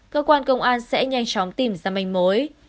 cơ quan công an sẽ nhanh chóng tìm ra manh mối